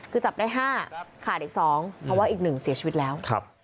คือจับได้๕ขาดอีก๒เพราะว่าอีก๑เสียชีวิตแล้ว